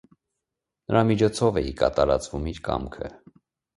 Նրա միջոցով է ի կատար ածվում իր կամքը։